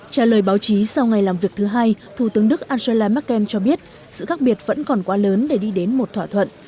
trả lời báo chí sau ngày làm việc thứ hai thủ tướng đức angela merkel cho biết sự khác biệt vẫn còn quá lớn để đi đến một thỏa thuận